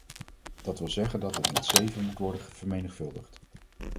Dat wil zeggen dat het met zeven moet worden vermenigvuldigd.